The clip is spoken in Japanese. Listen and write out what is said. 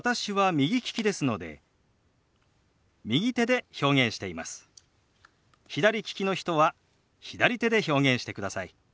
左利きの人は左手で表現してください。